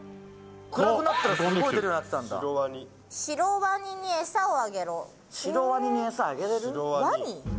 暗くなったらすごい出るようになってたんだ「シロワニ」「シロワニにエサをあげろ」シロワニワニ？